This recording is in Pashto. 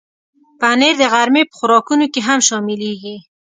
پنېر د غرمې په خوراکونو کې هم شاملېږي.